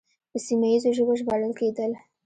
په سیمه ییزو ژبو ژباړل کېدل